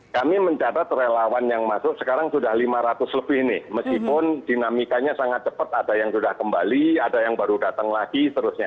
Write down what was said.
kami mencatat relawan yang masuk sekarang sudah lima ratus lebih nih meskipun dinamikanya sangat cepat ada yang sudah kembali ada yang baru datang lagi seterusnya